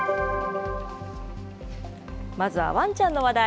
まずはワンちゃんの話題。